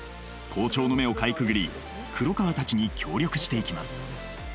校長の目をかいくぐり黒川たちに協力していきます